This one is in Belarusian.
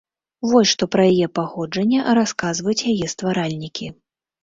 Вось што пра яе паходжанне расказваюць яе стваральнікі.